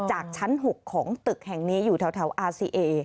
จากชั้นหกของตึกแห่งนี้อยู่เท่าอาร์เซีย